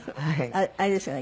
あれですかね？